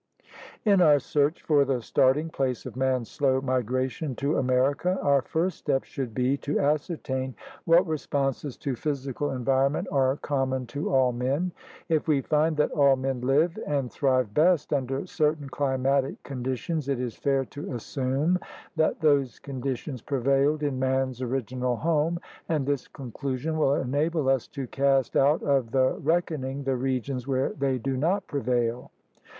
In our search for the starting place of man's slow migration to America our first step should be to ascertain what responses to physical environ ment are common to all men. If we find that all men live and thrive best under certain climatic conditions, it is fair to assume that those condi tions prevailed in man's original home, and this conclusion will enable us to cast out of the reckon ing the regions where they do not prevail.